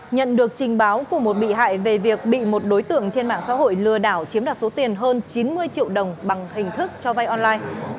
nhận được trình báo của một bị hại về việc bị một đối tượng trên mạng xã hội lừa đảo chiếm đoạt số tiền hơn chín mươi triệu đồng bằng hình thức cho vay online